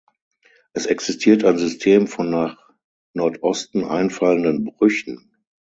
Es existiert ein System von nach Nordosten einfallenden Brüchen.